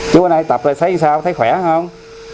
chú ơi nay tập rồi thấy sao thấy khỏe không